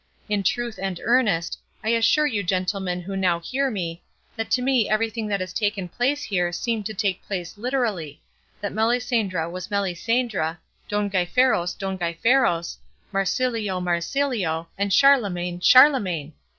In truth and earnest, I assure you gentlemen who now hear me, that to me everything that has taken place here seemed to take place literally, that Melisendra was Melisendra, Don Gaiferos Don Gaiferos, Marsilio Marsilio, and Charlemagne Charlemagne.